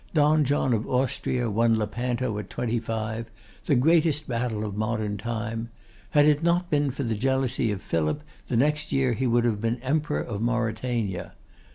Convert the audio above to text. Don John of Austria won Lepanto at twenty five, the greatest battle of modern time; had it not been for the jealousy of Philip, the next year he would have been Emperor of Mauritania.